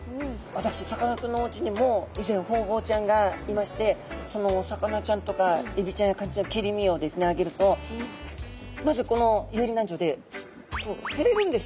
私さかなクンのおうちにも以前ホウボウちゃんがいましてそのお魚ちゃんとかエビちゃんやカニちゃんの切り身をあげるとまずこの遊離軟条でこう触れるんですね。